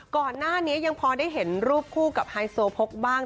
ก่อนหน้านี้ยังพอได้เห็นรูปคู่กับไฮโซโพกบ้าง